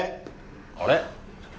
あれ？